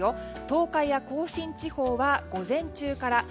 東海や甲信地方は午前中から。